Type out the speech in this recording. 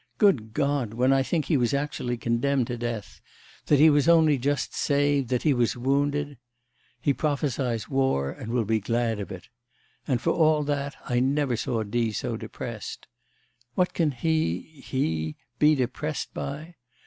Good God! when I think he was actually condemned to death, that he was only just saved, that he was wounded.... ) He prophesies war and will be glad of it. And for all that, I never saw D. so depressed. What can he... he!... be depressed by?